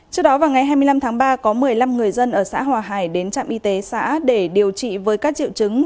trước đó vào ngày hai mươi năm tháng ba có một mươi năm người dân ở xã hòa hải đến trạm y tế xã để điều trị với các triệu chứng